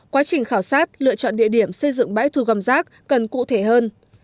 quá trình khảo sát lựa chọn địa điểm xây dựng bãi thu gom rác cần cụ thể hơn